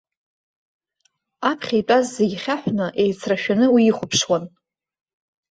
Аԥхьа итәаз зегьы хьаҳәны, еицрашәаны уи ихәаԥшуан.